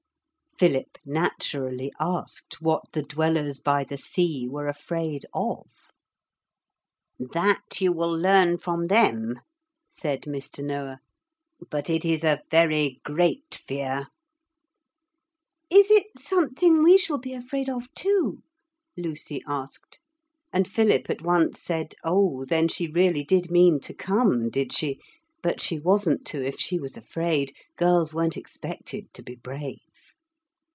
Philip naturally asked what the Dwellers by the Sea were afraid of. 'That you will learn from them,' said Mr. Noah; 'but it is a very great fear.' 'Is it something we shall be afraid of too?' Lucy asked. And Philip at once said, 'Oh, then she really did mean to come, did she? But she wasn't to if she was afraid. Girls weren't expected to be brave.'